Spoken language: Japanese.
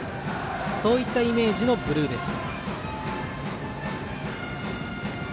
そういったイメージのブルーです。